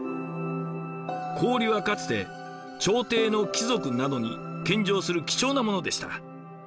氷はかつて朝廷の貴族などに献上する貴重なものでした。